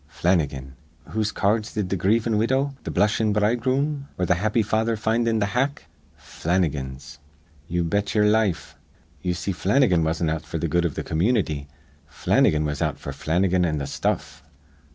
Flannigan. Whose ca ards did th' grievin' widow, th' blushin' bridegroom, or th' happy father find in th' hack? Flannigan's. Ye bet ye'er life. Ye see Flannigan wasn't out f'r th' good iv th' community. Flannigan was out f'r Flannigan an' th' stuff.